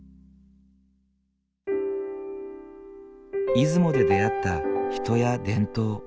出雲で出会った人や伝統。